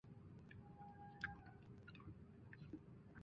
迭代对数和中用到的广义对数函数有密切关系。